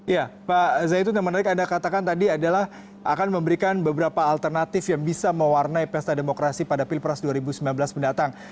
ya pak zaitun yang menarik anda katakan tadi adalah akan memberikan beberapa alternatif yang bisa mewarnai pesta demokrasi pada pilpres dua ribu sembilan belas mendatang